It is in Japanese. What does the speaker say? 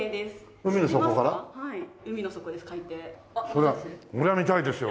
そりゃ見たいですよ。